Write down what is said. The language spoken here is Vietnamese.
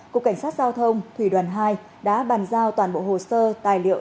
cục cảnh sát giao thông thủy đoàn hai đã bàn giao toàn bộ hồ sơ tài liệu